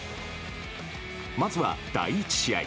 まずは第１試合。